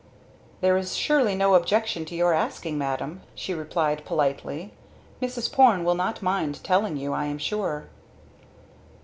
"There is surely no objection to your asking, madam," she replied politely. "Mrs. Porne will not mind telling you, I am sure."